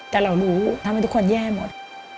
แต่เรารู้ทำให้ทุกคนแย่หมด